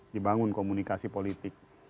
dibangun komunikasi politik